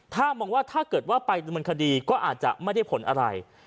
ถ้าเกิดว่าไปบรรคดีก็อาจจะไม่ได้ผลอะไร